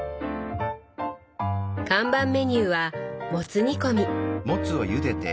看板メニューはもつ煮込み。